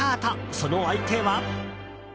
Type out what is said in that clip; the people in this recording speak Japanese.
その相手は。